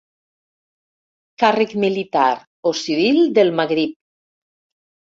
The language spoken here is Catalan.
Càrrec militar o civil del Magrib.